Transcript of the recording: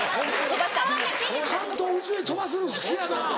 関東宇宙へ飛ばすの好きやな。